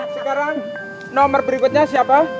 sekarang nomor berikutnya siapa